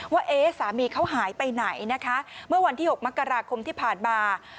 ว่าเอ๊ะสามีเขาหายไปไหนนะคะเมื่อวันที่๖มกราคมที่ผ่านมา